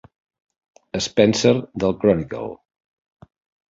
Spencer del Chronicle.